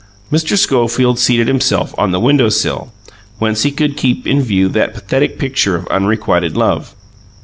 Mr. Schofield seated himself on the window sill, whence he could keep in view that pathetic picture of unrequited love.